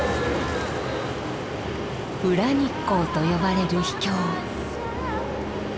「裏日光」と呼ばれる秘境。